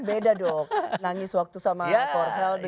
beda dong nangis waktu sama korsel dengan nangis seperti ini